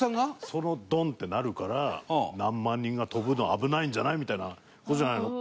そのドンってなるから何万人が跳ぶのは危ないんじゃない？みたいな事じゃないの。